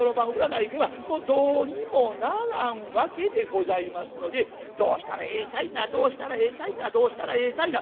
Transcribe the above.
占いではどうにもならんわけでございますので「どうしたらええかいなどうしたらええかいなどうしたらええかいな」